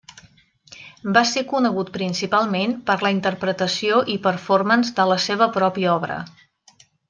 Va ser conegut principalment per la interpretació i performance de la seva pròpia obra.